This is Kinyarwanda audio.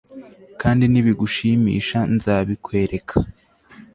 kandi nibigushimisha, nzabikwereka